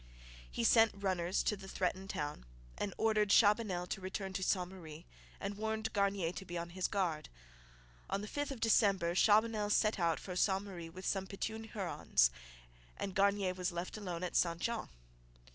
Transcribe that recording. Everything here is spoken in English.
He sent runners to the threatened town, and ordered Chabanel to return to Ste Marie and warned Garnier to be on his guard. On the 5th of December Chabanel set out for Ste Marie with some Petun Hurons, and Garnier was left alone at St Jean.